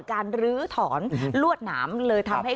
ลื้อถอนลวดหนามเลยทำให้